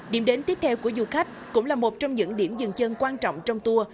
điểm đến tiếp theo của du khách cũng là một trong những điểm dừng chân quan trọng trong tour